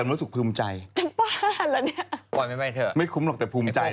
เขาไปซื้อเป็นเล่มหนาเลยเล่มใหญ่